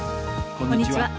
こんにちは。